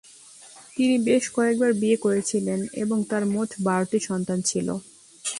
তিনি বেশ কয়েকবার বিয়ে করেছিলেন এবং তার মোট বারোটি সন্তান ছিল